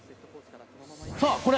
さぁこれ！